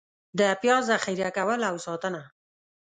د پیاز ذخېره کول او ساتنه: